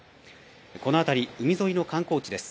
この辺り、海沿いの観光地です。